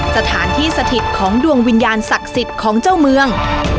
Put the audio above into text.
สถานที่สถิตของดวงวิญญาณศักดิ์สิทธิ์ของเจ้าเมือง